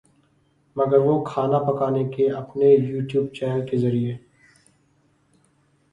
مگر وہ کھانا پکانے کے اپنے یو ٹیوب چینل کے ذریعے